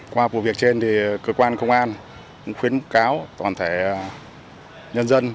qua vụ việc trên thì cơ quan công an cũng khuyến cáo toàn thể nhân dân